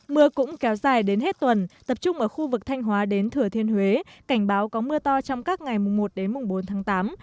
mưa cũng kéo dài đến hết tuần tập trung ở khu vực thanh hóa đến thừa thiên huế cảnh báo có mưa to trong các ngày mùng một đến mùng bốn tháng tám